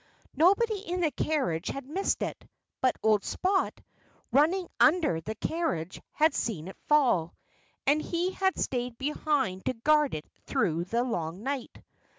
Nobody in the carriage had missed it. But old Spot, running under the carriage, had seen it fall. And he had stayed behind to guard it all through the long night.